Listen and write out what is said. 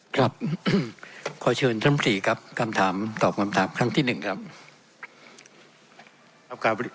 ครับขอเชิญท่านพระมพลีครับการตอบคำน้ำทางที่นึงครับ